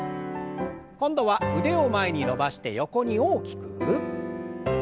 今度は腕を前に伸ばして横に大きく。